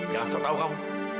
jangan setau kamu